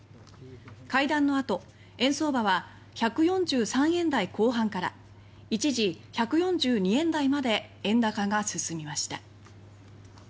会談のあと円相場は１４３円台後半から一時、１４２円台まで円高が進みました。